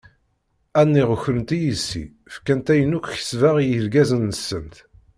A niɣ ukrent-iyi yessi, fkant ayen akk kesbeɣ i yergazen-nsent.